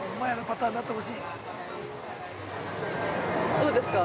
◆どうですか。